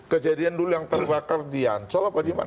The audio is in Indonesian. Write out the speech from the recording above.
kejadian dulu yang terbakar di ancol apa di mana